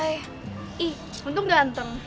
eh untung ganteng